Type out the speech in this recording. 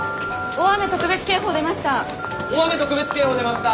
大雨特別警報出ました！